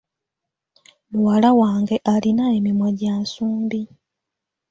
Muwala wange alina emimwa gya nsumbi.